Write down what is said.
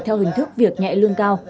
theo hình thức việc nhẹ lương cao